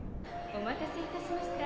「お待たせいたしました。